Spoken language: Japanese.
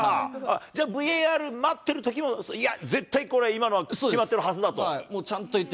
じゃあＶＡＲ待ってるときも、いや、絶対これ、今のは決まってそうです。